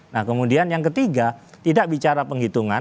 nah kemudian yang ketiga tidak bicara penghitungan